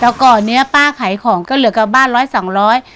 แล้วก่อนนี้ป้าขายของก็เหลือกบ้านเหร็ด๒๐๐